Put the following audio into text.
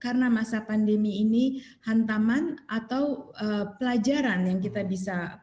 karena masa pandemi ini hantaman atau pelajaran yang kita bisa kutip